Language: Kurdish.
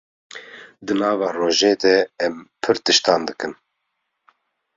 Di nava rojê de em pir tiştan dikin.